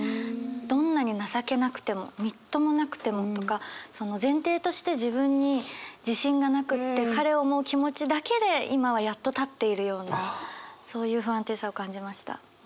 どんなに情けなくてもみっともなくてもとかその前提として自分に自信がなくって彼を思う気持ちだけで今はやっと立っているようなそういう不安定さを感じました。